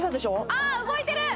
あーっ動いてる！